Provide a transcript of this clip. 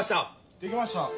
できました。